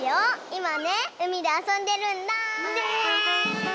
いまねうみであそんでるんだ！ねえ！